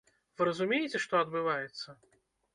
Вы разумееце, што адбываецца?